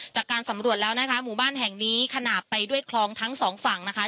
จากการสำรวจแล้วนะคะหมู่บ้านแห่งนี้ขนาดไปด้วยคลองทั้งสองฝั่งนะคะ